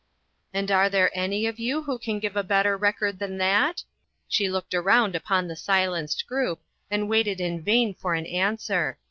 " And are there any of you who can give a better record than that ?" She looked around upon the silenced group, and waited in vain for an answer.